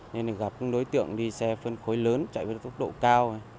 nên gặp những đối tượng đi xe phân khối lớn chạy với tốc độ cao